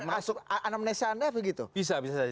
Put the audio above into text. anamnesia anda begitu bisa bisa saja